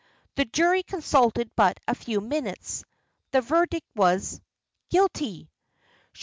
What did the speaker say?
The jury consulted but a few minutes. The verdict was "Guilty."